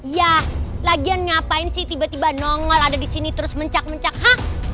ya lagian ngapain sih tiba tiba nongol ada di sini terus mencak mencak ha